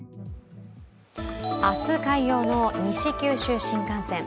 明日開業の西九州新幹線。